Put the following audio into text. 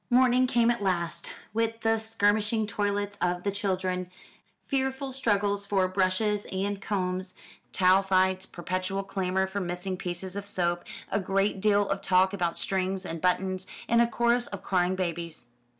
Morning came at last, with the skirmishing toilets of the children, fearful struggles for brushes and combs, towel fights, perpetual clamour for missing pieces of soap, a great deal of talk about strings and buttons, and a chorus of crying babies.